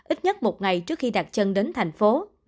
ít nhất một ngày trước khi đặt chân đến thành phố